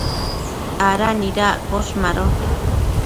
¿ada nidaccosh? Mado